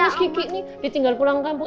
gak usah dada lihat fotonya ini loh